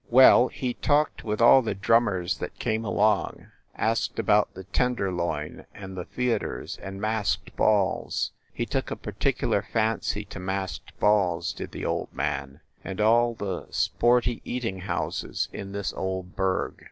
Well, he talked with all the drummers that came along, asked about the Tenderloin and the theaters and masked balls he took a particular fancy to masked balls, did the old man and all the sporty eating houses in this old burg.